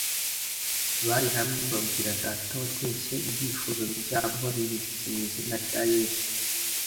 Bari hamwe babwira Data wa twese ibyifuzo byabo babinyujije mu izina rya Yesu